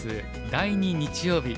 第２日曜日